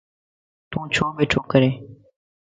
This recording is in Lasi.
تو ڇو ٻيھڻو ڪرين؟